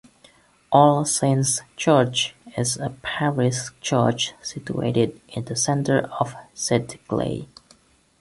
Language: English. All Saints' Church is a parish church situated in the centre of Sedgley.